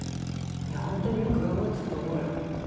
本当によく頑張ってたと思うよ。